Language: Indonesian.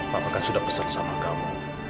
bapak kan sudah pesan sama kamu